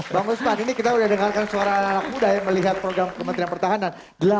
bang usman ini kita sudah dengarkan suara anak anak muda yang melihat program kementerian pertahanan